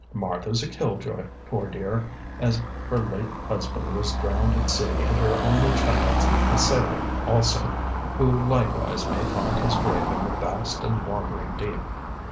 Martha's a killjoy, poor dear, as her late husband was drowned at sea and her only child's a sailor also, who likewise may find his grave in the vast and wandering deep.